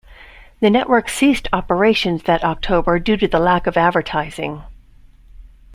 The network ceased operations that October due to the lack of advertising.